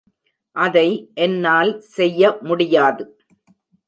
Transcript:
அதை என்னால் செய்ய முடியாது.